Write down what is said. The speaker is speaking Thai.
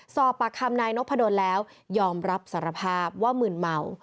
สอบปากคำนายนพดลแล้วยอมรับสารภาพว่ามืนเมา